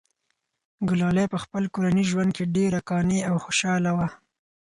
ګلالۍ په خپل کورني ژوند کې ډېره قانع او خوشحاله وه.